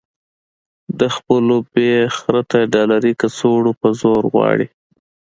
د خپلو بې خرطه ډالري کڅوړو په زور غواړي.